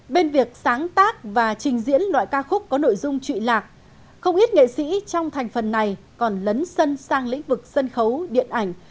bên việc sáng tác và trình diễn loại ca khúc có nội dung trụy lạc không ít nghệ sĩ trong thành phần này còn lấn sân sang lĩnh vực sân khấu điện ảnh